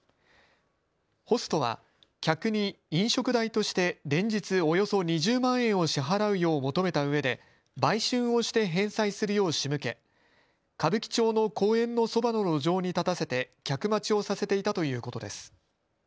ホストは客に飲食代として連日およそ２０万円を支払うよう求めたうえで売春をして返済するようしむけ、歌舞伎町の公園のそばの路上に立たせて客待ちをさせていたということです。